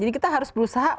jadi kita harus berusaha